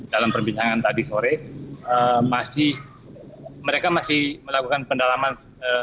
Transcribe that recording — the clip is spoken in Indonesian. dalam perbincangan tadi sore masih mereka masih melakukan pendalaman